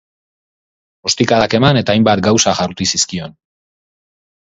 Ostikadak eman, eta hainbat gauza jaurti zizkion.